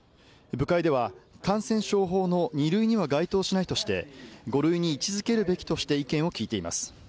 部会では感染症法の２類には該当しないとして５類に位置付けるべきとして意見を聞いています。